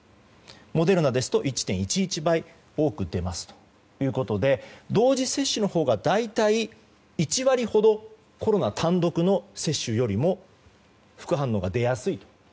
モデルナですと１．１１倍多く出ますということで同時接種のほうが大体１割ほどコロナ単独の接種よりも副反応が出やすいと。